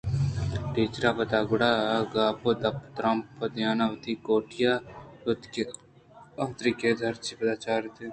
ٹیچر پدا گُرّ ءُگاپءُپاد ترٛاپ دیان ءَ وتی کوٹی ءَ شت کہ آ واتر کیت ءُ ہرچی ءَ پدا چارءُ تپاس کنت